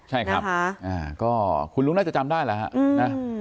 ใช่ครับอ่าก็คุณลุงน่าจะจำได้แล้วฮะอืม